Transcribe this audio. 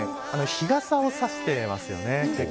日傘を差していますね。